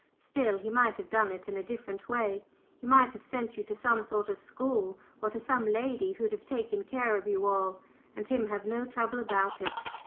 Still, he might have done it in a different way he might have sent you to some sort of school, or to some lady who'd have taken care of you all, and him have no trouble about it.